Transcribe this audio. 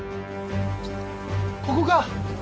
ここか。